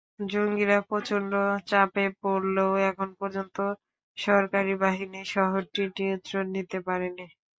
জঙ্গিরা প্রচণ্ড চাপে পড়লেও এখন পর্যন্ত সরকারি বাহিনী শহরটির নিয়ন্ত্রণ নিতে পারেনি।